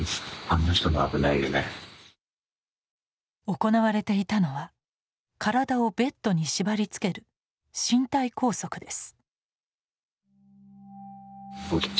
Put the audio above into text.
行われていたのは体をベッドに縛りつける身体拘束です。